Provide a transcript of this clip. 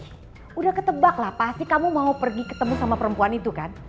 sudah ketebak lah pasti kamu mau pergi ketemu sama perempuan itu kan